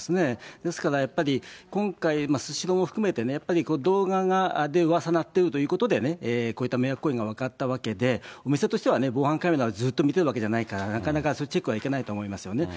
ですからやっぱり、今回、スシローも含めてね、やっぱり動画でうわさになってるということで、こういった迷惑行為が分かったわけで、お店としては防犯カメラをずっと見てるわけじゃないから、なかなかそういうチェックはいかないと思いますよね。